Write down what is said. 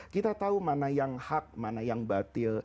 kita tahu mana yang hak mana yang batil